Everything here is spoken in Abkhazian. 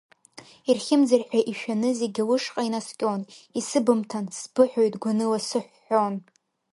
Ирхьымӡар ҳәа ишәаны зегь лышҟа инаскьон, исыбымҭан, сбыҳәоит, гәаныла сыҳәҳәон.